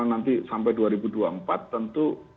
nanti sampai dua ribu dua puluh empat tentu